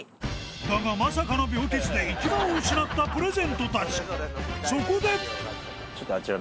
だがまさかの病欠で行き場を失ったプレゼントたち